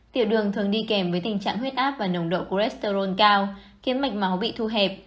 tiểu đường thường đi kèm với tình trạng huyết áp và nồng độ của resterol cao khiến mạch máu bị thu hẹp